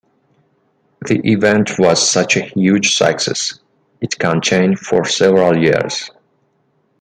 The event was such a huge success, it continued for several years.